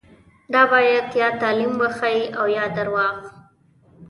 دا باید یا تعلیم وښيي او یا درواغ.